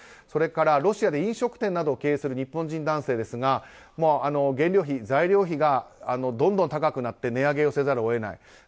それからロシアで飲食店などを経営する日本人男性ですが原料費、材料費がどんどん高くなって値上げせざるを得ない。